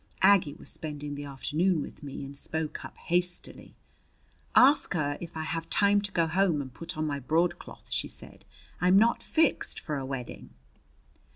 Aggie was spending the afternoon with me, and spoke up hastily. "Ask her if I have time to go home and put on my broadcloth," she said. "I'm not fixed for a wedding."